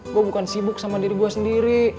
gue bukan sibuk sama diri gue sendiri